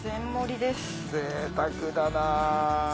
ぜいたくだな。